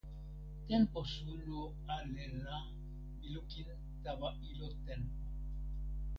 tenpo suno ale la mi lukin tawa ilo tenpo.